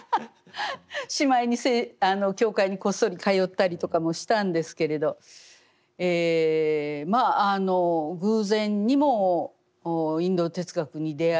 しまいに教会にこっそり通ったりとかもしたんですけれどまあ偶然にもインド哲学に出会い